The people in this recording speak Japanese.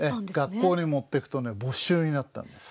学校に持ってくとね没収になったんです。